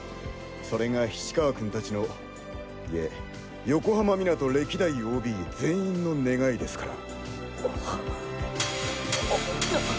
それが菱川君達のいえ横浜湊歴代ＯＢ全員の願いですから。